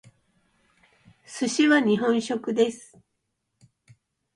寿司は日本食です。